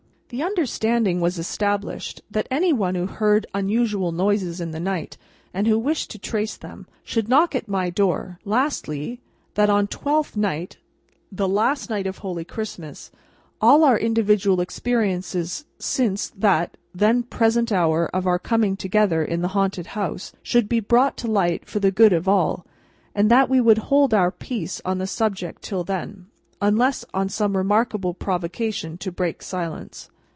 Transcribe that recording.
The understanding was established, that any one who heard unusual noises in the night, and who wished to trace them, should knock at my door; lastly, that on Twelfth Night, the last night of holy Christmas, all our individual experiences since that then present hour of our coming together in the haunted house, should be brought to light for the good of all; and that we would hold our peace on the subject till then, unless on some remarkable provocation to break silence.